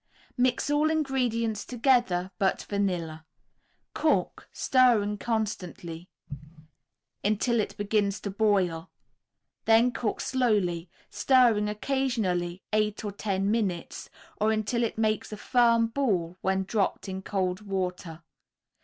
Mix all ingredients together but vanilla; cook, stirring constantly, until it begins to boil, then cook slowly, stirring occasionally, eight or ten minutes, or until it makes a firm ball when dropped in cold water.